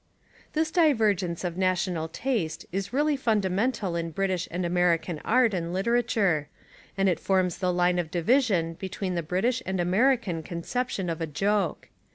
This divergence of national taste is really fundamental in British and American art and literature, and it forms the line of division be tween the British and American conception of a joke.